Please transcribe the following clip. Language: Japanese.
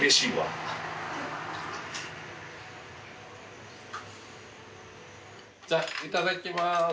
いただきます。